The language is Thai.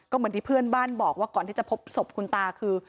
เหมือนที่เพื่อนบ้านบอกว่าก่อนที่จะพบศพคุณตาคือ